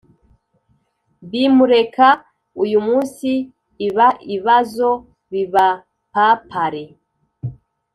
bmreka uyumunsi ibaibazo bibapapare